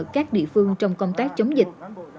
các địa phương trong công tác chống dịch